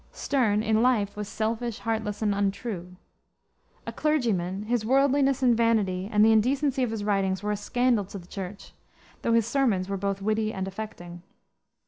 Sterne, in life, was selfish, heartless, and untrue. A clergyman, his worldliness and vanity and the indecency of his writings were a scandal to the Church, though his sermons were both witty and affecting.